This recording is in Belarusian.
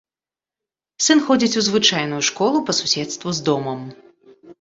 Сын ходзіць у звычайную школу па суседству з домам.